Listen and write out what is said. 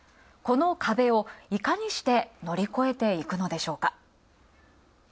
このカベをいかにして乗り越えていくのでしょうか。